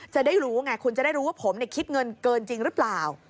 จะได้รู้ว่าผมคิดเงินเกินจริงหรือเปล่า